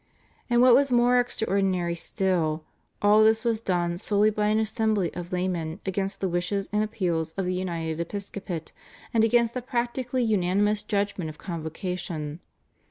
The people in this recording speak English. And what was more extraordinary still, all this was done solely by an assembly of laymen, against the wishes and appeals of the united episcopate and against the practically unanimous judgment of Convocation.